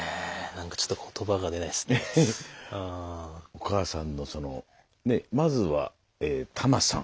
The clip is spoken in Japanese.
お母さんのそのまずはタマさん。